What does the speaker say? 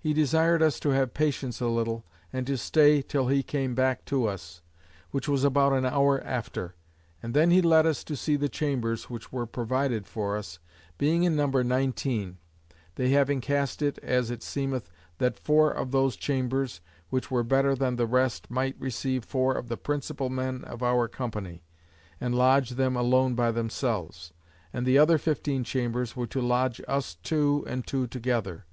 He desired us to have patience a little, and to stay till he came back to us; which was about an hour after; and then he led us to see the chambers which were provided for us, being in number nineteen: they having cast it (as it seemeth) that four of those chambers, which were better than the rest, might receive four of the principal men of our company; and lodge them alone by themselves; and the other fifteen chambers were to lodge us two and two together.